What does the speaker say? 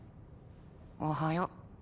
おはよう。